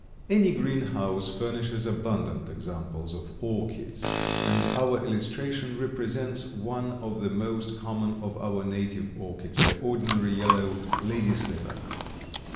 Any greenhouse furnishes abundant examples of orchids, and our illustration represents one of the most common of our native orchids, the ordinary yellow Lady slipper.